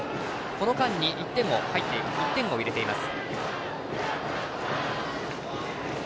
この間に１点を入れています。